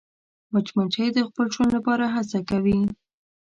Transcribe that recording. مچمچۍ د خپل ژوند لپاره هڅه کوي